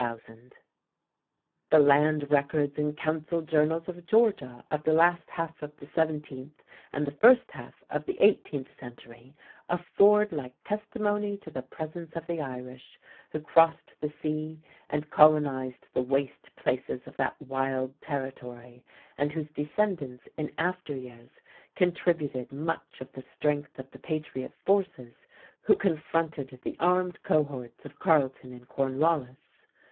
The Land Records and Council Journals of Georgia of the last half of the seventeenth and the first half of the eighteenth century afford like testimony to the presence of the Irish, who crossed the sea and colonized the waste places of that wild territory, and whose descendants in after years contributed much of the strength of the patriot forces who confronted the armed cohorts of Carleton and Cornwallis.